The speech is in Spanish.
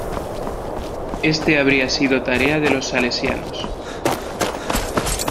Este habría sido tarea de los salesianos.